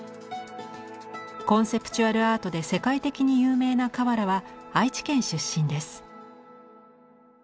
コンセプチュアルアートで世界的に有名な河原は愛知県出身です。